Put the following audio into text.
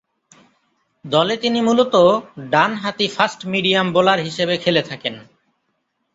দলে তিনি মূলতঃ ডানহাতি ফাস্ট-মিডিয়াম বোলার হিসেবে খেলে থাকেন।